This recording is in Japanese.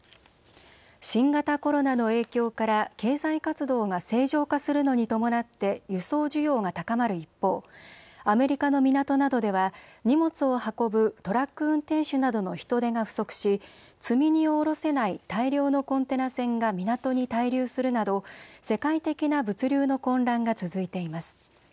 新型コロナの影響から経済活動が正常化するのに伴って輸送需要が高まる一方、アメリカの港などでは荷物を運ぶトラック運転手などの人手が不足し積み荷を降ろせない大量のコンテナ船が港に滞留するなど世界的な物流の混乱が続いています。